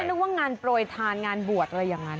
นึกว่างานโปรยทานงานบวชอะไรอย่างนั้น